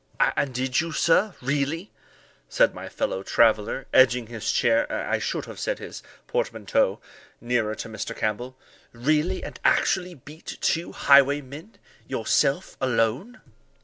"And did you, sir, really," said my fellow traveller, edging his chair (I should have said his portmanteau) nearer to Mr. Campbell, "really and actually beat two highwaymen yourself alone?"